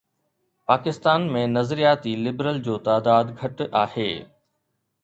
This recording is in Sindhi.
پاڪستان ۾ نظرياتي لبرل جو تعداد گهٽ آهي.